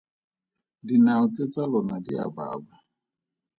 Dinao tse tsa lona di a baba.